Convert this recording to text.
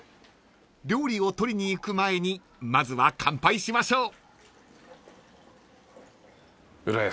［料理を取りに行く前にまずは乾杯しましょう］